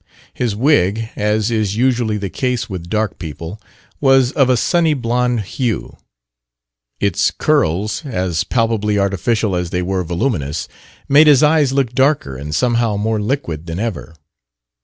His wig, as is usually the case with dark people, was of a sunny blond hue. Its curls, as palpably artificial as they were voluminous, made his eyes look darker and somehow more liquid than ever.